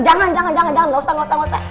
jangan jangan jangan gak usah gak usah gak usah